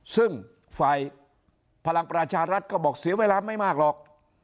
ซึ่งฝ่ายพลังประชารัฐก็บอกเสียเวลาไม่มากหรอก